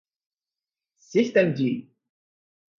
systemd